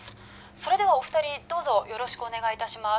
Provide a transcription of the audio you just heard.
それではお二人どうぞよろしくお願いいたします